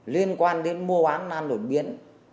liên quan đến mua oán lan đột biến